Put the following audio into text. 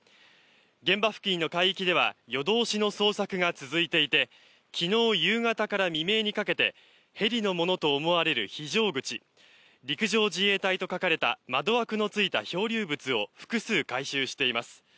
現場付近の海域では夜通しの捜索が続いていて昨日夕方から未明にかけてヘリのものと思われる「非常口陸上自衛隊」と書かれた窓枠のついた漂流物を複数回収しています。